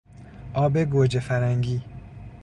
آب گوجهفرنگی